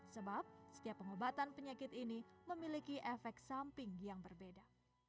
sebab setiap pengobatan penyakit ini memiliki efek samping yang berbeda